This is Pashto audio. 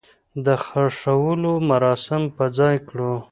د خښولو مراسم په ځاى کړو.